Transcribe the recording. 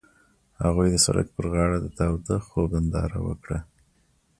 هغوی د سړک پر غاړه د تاوده خوب ننداره وکړه.